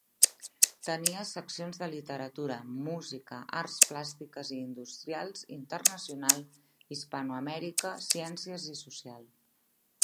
Tenia seccions de Literatura, Música, Arts Plàstiques i industrials, Internacional, Hispanoamèrica, Ciències i Social.